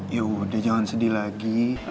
yaudah jangan sedih lagi